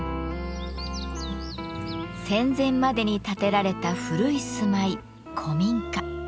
戦前までに建てられた古い住まい「古民家」。